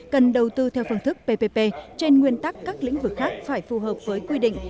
cần đầu tư theo phương thức ppp trên nguyên tắc các lĩnh vực khác phải phù hợp với quy định